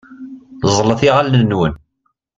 Ẓẓlet iɣallen-nwen.